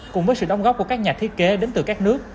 cùng với sự đóng góp của các nhà thiết kế đến từ các nước